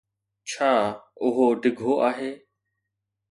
ڇا اھو ڊگھو آھي؟